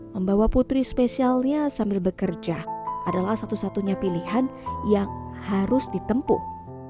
membawa putri spesialnya sambil bekerja adalah satu satunya pilihan yang harus ditempuh